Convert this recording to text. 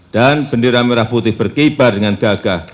dan bendera merah putih berkibar dengan gagah